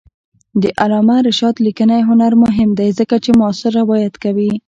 د علامه رشاد لیکنی هنر مهم دی ځکه چې معاصر روایت کوي.